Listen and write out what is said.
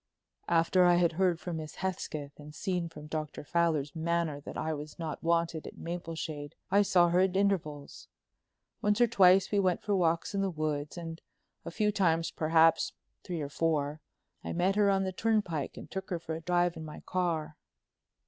"After I had heard from Miss Hesketh and seen from Dr. Fowler's manner that I was not wanted at Mapleshade, I saw her at intervals. Once or twice we went for walks in the woods, and a few times, perhaps three or four, I met her on the turnpike and took her for a drive in my car."